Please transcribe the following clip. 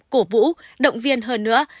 cổ vũ động viên hơn nữa